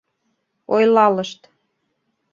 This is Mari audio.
ойлалышт...